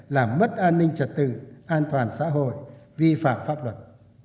làm mất an ninh trật tự an toàn xã hội vi phạm pháp luật